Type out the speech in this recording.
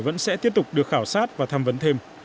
vẫn sẽ tiếp tục được khảo sát và tham vấn thêm